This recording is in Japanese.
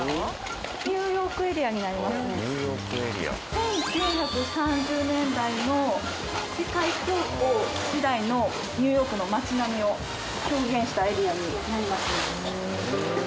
１９３０年代の世界恐慌時代のニューヨークの街並みを表現したエリアになります。